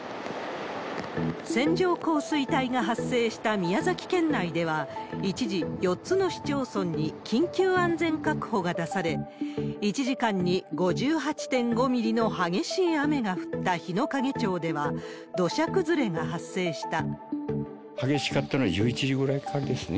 線状降水帯が発生した宮崎県内では一時、４つの市町村に緊急安全確保が出され、１時間に５８．５ミリの激しい雨が降った日之影町では土砂崩れが激しかったのは１１時ぐらいからですね。